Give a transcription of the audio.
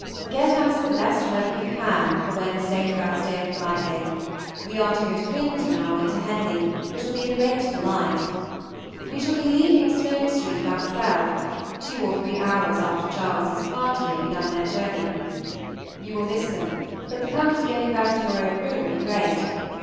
Get us the best weather you can for Wednesday, Thursday, and Friday. We are to go to Windsor in our way to Henley, which will be a great delight. We shall be leaving Sloane Street about twelve, two or three hours after Charles's party have begun their journey. You will miss them, but the comfort of getting back into your own room will be great.